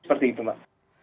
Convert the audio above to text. seperti itu mbak